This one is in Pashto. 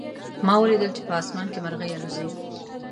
ما ولیدل چې په آسمان کې مرغۍ الوزي